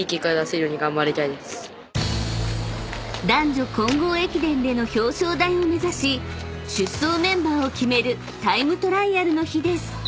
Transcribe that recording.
［男女混合駅伝での表彰台を目指し出走メンバーを決めるタイムトライアルの日です］